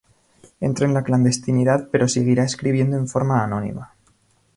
Entra en la clandestinidad, pero seguirá escribiendo en forma anónima.